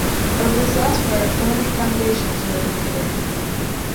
Of this last part, only foundations were recovered.